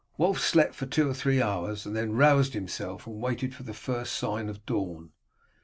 Wulf slept for two or three hours, and then roused himself and waited for the first sign of dawn.